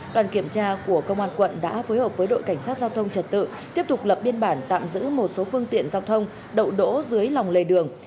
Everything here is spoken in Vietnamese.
đoàn kiểm tra của công an quận đã phối hợp với đội cảnh sát giao thông trật tự tiếp tục lập biên bản tạm giữ một số phương tiện giao thông đậu đỗ dưới lòng lề đường